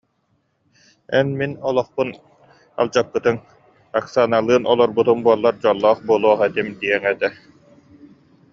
Эн мин олохпун алдьаппытыҥ, Оксаналыын олорбутум буоллар дьоллоох буолуох этим диэҥ этэ